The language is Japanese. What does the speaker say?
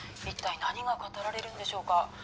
一体何が語られるんでしょうか？